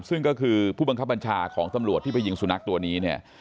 ซึ่งก็คือผู้บังคับบัญชาของตำรวจที่ไปยิงสุนัขตัวนี้เนี่ย